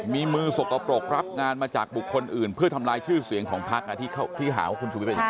มีมือสกปรกรับงานมาจากบุคคลอื่นเพื่อทำลายชื่อเสียงของพักที่หาว่าคุณชุวิต